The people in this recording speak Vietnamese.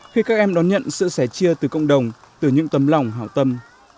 khi các em đón nhận sự sẻ chia từ cộng đồng từ những tấm lòng hảo tâm